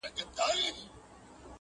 هره ټپه مي ځي میراته د لاهور تر کلي،